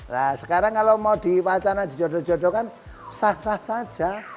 nah sekarang kalau mau di wacana di jodoh jodoh kan sah sah saja